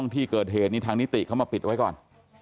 ที่เกิดเหตุนี้ทางนิติเขามาปิดไว้ก่อน